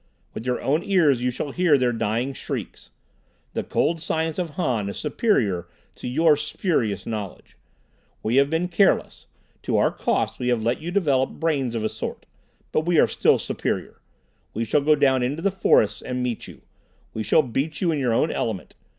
With your own ears you shall hear their dying shrieks. The cold science of Han is superior to your spurious knowledge. We have been careless. To our cost we have let you develop brains of a sort. But we are still superior. We shall go down into the forests and meet you. We shall beat you in your own element.